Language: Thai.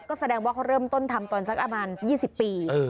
ก็แสดงว่าเขาเริ่มต้นทำตอนสักประมาณ๒๐ปี